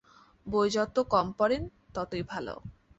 বই যত কম পড়েন, ততই ভাল।